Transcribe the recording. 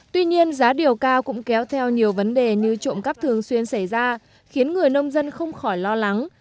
tuy nhiên giá điều cao cũng kéo theo nhiều vấn đề như trộm cắp thường xuyên xảy ra khiến người nông dân không khỏi lo lắng